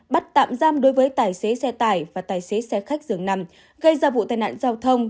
bắt tạm giam đối với tài xế xe tải và tài xế xe khách dường nằm gây ra vụ tai nạn giao thông